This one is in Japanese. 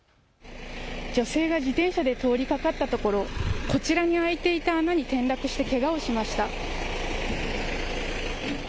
女性が自転車で通りかかったところ、こちらに開いていた穴に転落してけがをしました。